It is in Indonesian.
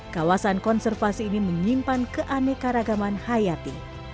kawasan konservasi ini menyimpan keanekaragaman hayati